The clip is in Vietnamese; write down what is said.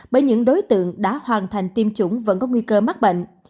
bởi những đối tượng đã hoàn thành tiêm chủng vẫn có nguy cơ mắc bệnh